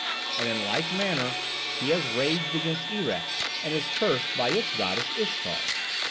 And in like manner he has raged against Erech, and is cursed by its goddess Ishtar.